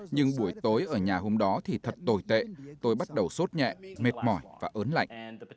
nhưng buổi tối ở nhà hôm đó thì thật tồi tệ tôi bắt đầu sốt nhẹ mệt mỏi và ớn lạnh